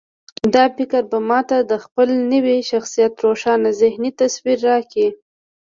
دا فکر به ما ته د خپل نوي شخصيت روښانه ذهني تصوير راکړي.